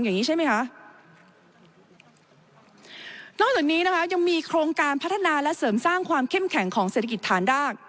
นอกจากนี้นะคะยังมีโครงการพัฒนาและเสริมสร้างความเข้มแข็งของเศรษฐกิจฐานราก